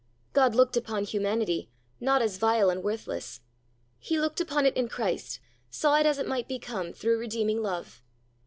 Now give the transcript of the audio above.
God looked upon humanity, not as vile and worthless; He looked upon it in Christ, saw it as it might become through redeeming love.